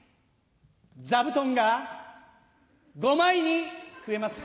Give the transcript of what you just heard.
座布団が５枚に増えます。